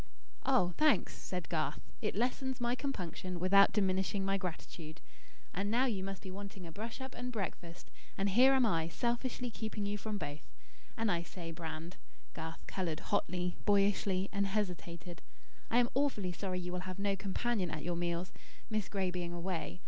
"Oh, thanks!" said Garth. "It lessens my compunction without diminishing my gratitude. And now you must be wanting a brush up and breakfast, and here am I selfishly keeping you from both. And I say, Brand," Garth coloured hotly, boyishly, and hesitated, "I am awfully sorry you will have no companion at your meals, Miss Gray being away.